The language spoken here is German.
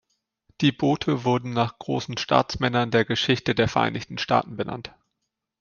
Die Boote wurden nach großen Staatsmännern der Geschichte der Vereinigten Staaten benannt.